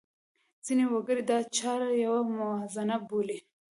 ځینې وګړي دا چاره یوه موازنه بولي.